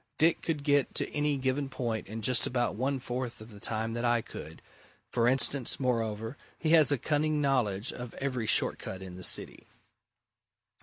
Dick could get to any given point in just about one fourth of the time that I could, for instance moreover, he has a cunning knowledge of every short cut in the city."